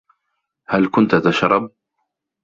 هل كنت تشرب؟